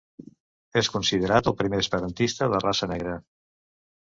És considerat el primer esperantista de raça negra.